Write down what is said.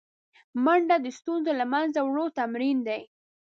منډه د ستونزو له منځه وړو تمرین دی